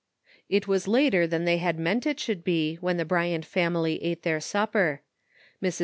It was later than they had meant it should be when the Bryant family ate their supper. Mrs.